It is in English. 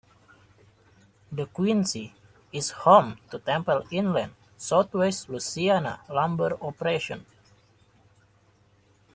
DeQuincy is home to Temple-Inland's Southwest Louisiana Lumber Operation.